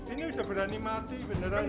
ini sudah beranimasi benar benar